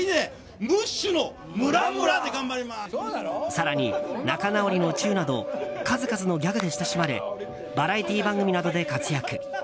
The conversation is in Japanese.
更に仲直りのチューなど数々のギャグで親しまれバラエティー番組などで活躍。